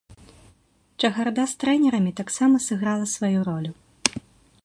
Чахарда з трэнерамі таксама сыграла сваю ролю.